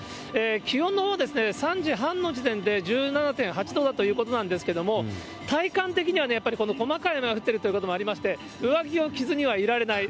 気温のほうは３時半の時点で１７．８度ということなんですが、体感的にはやっぱり、細かい雨が降っているということもありまして、上着を着ずにはいられない。